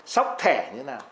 sóc thẻ như thế nào